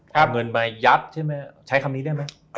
เงินมายัดใช่ไหมใช้คำนี้ได้ไหม